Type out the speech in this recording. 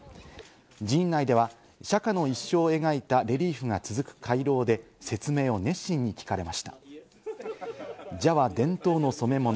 寺院内では釈迦の一生を描いたレリーフが続く回廊で説明を熱心に聞かれました。